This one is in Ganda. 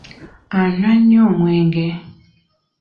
Anywa nnyo omwenge.